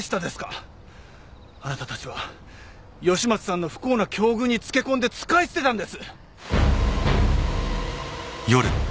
あなたたちは吉松さんの不幸な境遇に付け込んで使い捨てたんです！